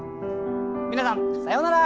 皆さんさようなら。